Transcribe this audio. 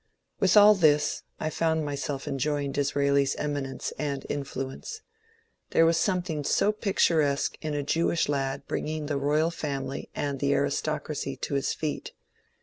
With all this, I found myself enjoying Disraeli's eminence and influence. There was something so picturesque in a Jew ish lad bringing the royal family and the aristocracy to his feet.